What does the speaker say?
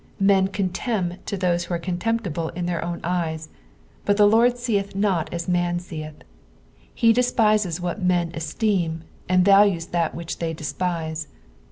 Hen contemn those who are contemptible in their own eyes, but tha Lord seeth not as man seeth. He despises what men esteem, and values that which they despise.